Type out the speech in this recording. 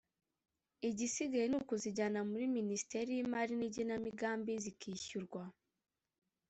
igisigaye ni ukuzijyana muri Minisiteri y’Imari n’Igenamigambi zikishyurwa